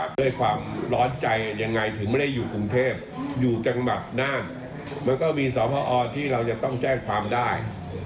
ด้วยความร้อนใจยังไงถึงไม่ได้อยู่กรุงเทพอยู่จังหวัดน่านมันก็มีสอบพอที่เราจะต้องแจ้งความได้